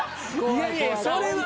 いやいやそれは。